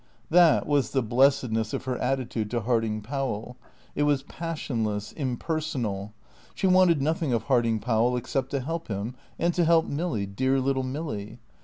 That was the blessedness of her attitude to Harding Powell. It was passionless, impersonal. She wanted nothing of Harding Powell except to help him, and to help Milly, dear little Milly.